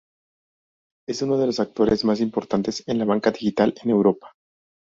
Es uno de los actores más importantes en la banca digital en Europa.